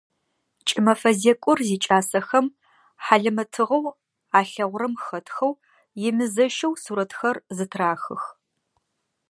Кӏымэфэ зекӏор зикӏасэхэм хьалэмэтыгъэу алъэгъурэм хэтхэу емызэщэу сурэтхэр зытрахых.